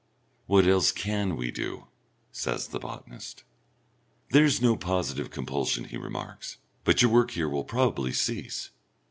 "What else can we do?" says the botanist. "There's no positive compulsion," he remarks, "but your work here will probably cease.